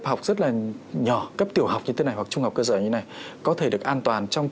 học rất là nhỏ cấp tiểu học như thế này hoặc trung học cơ sở như này có thể được an toàn trong